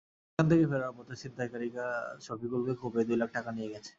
সেখান থেকে ফেরার পথে ছিনতাইকারীরা শফিকুলকে কুপিয়ে দুই লাখ টাকা নিয়ে গেছে।